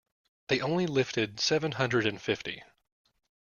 They only lifted seven hundred and fifty.